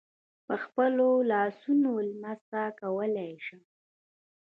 په خپلو لاسونو لمس کولای شم.